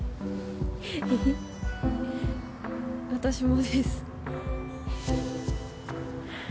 私もです。